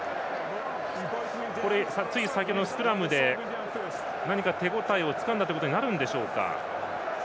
これ、つい先程のスクラムで何か手応えをつかんだということになるんでしょうか。